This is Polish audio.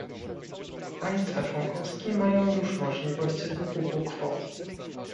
Państwa członkowskie mają już możliwość wykupu kwot